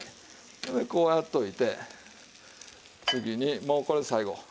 こうやっておいて次にもうこれ最後。